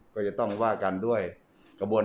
ตอนนี้ก็ไม่มีอัศวินทรีย์